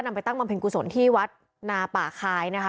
นำไปตั้งบำเพ็ญกุศลที่วัดนาปาคาย